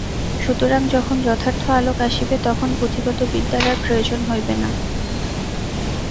সুতরাং যখন যথার্থ আলোক আসিবে, তখন পুঁথিগত বিদ্যার আর প্রয়োজন হইবে না।